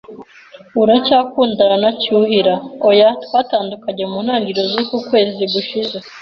"Uracyakundana na Cyuhira?" "Oya, twatandukanye mu ntangiriro z'ukwezi gushize."